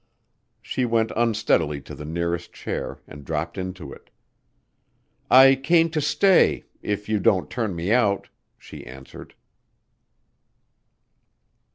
She went unsteadily to the nearest chair and dropped into it. "I came to stay if you don't turn me out," she answered.